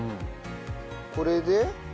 これで？